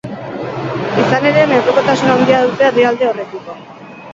Izan ere, menpekotasun handia dute herrialde horrekiko.